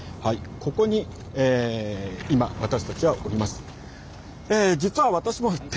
ここに今私たちはおります。